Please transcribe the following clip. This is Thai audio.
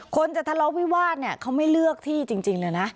คนจะทะเลาะวิวาสเนี่ยเขาไม่เลือกที่จริงเลยนะ